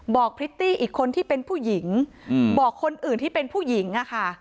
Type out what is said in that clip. พริตตี้อีกคนที่เป็นผู้หญิงบอกคนอื่นที่เป็นผู้หญิงอะค่ะ